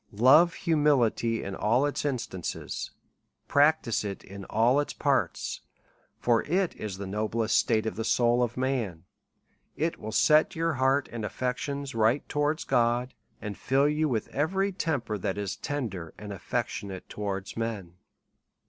Love humility in all its instances, practise it in all its parts, for it is the noblest state of the soul of man ; it will set your heart and affections right towards God, and fill you with every temper that is tenderandaffec tioimte towards men.